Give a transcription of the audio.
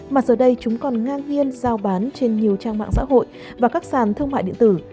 mà giờ đây chúng còn ngang nhiên giao bán trên nhiều trang mạng xã hội và các sàn thương mại điện tử